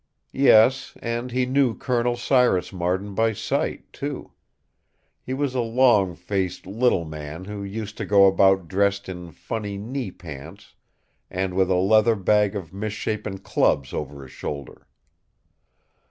Yes, and he knew Col. Cyrus Marden by sight, too. He was a long faced little man who used to go about dressed in funny knee pants and with a leather bag of misshapen clubs over his shoulder.